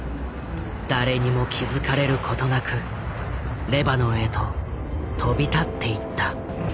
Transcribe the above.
誰にも気付かれることなくレバノンへと飛び立っていった。